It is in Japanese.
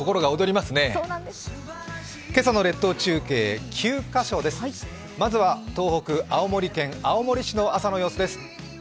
まずは東北、青森県青森市の朝の様子です。